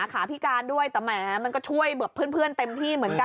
หลายตัวด้วยนะ